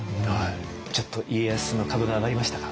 ちょっと家康の株が上がりましたか？